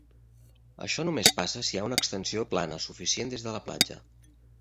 Això només passa si hi ha una extensió plana suficient des de la platja.